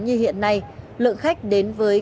như hiện nay lượng khách đến với